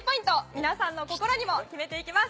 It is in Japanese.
皆さんの心にも決めていきます